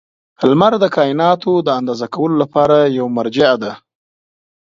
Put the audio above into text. • لمر د کایناتو د اندازه کولو لپاره یوه مرجع ده.